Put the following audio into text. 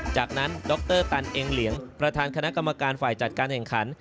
จากนั้นดรตันเองเหลียงประธานคณะกรรมการฝ่ายจัดการแข่งขัน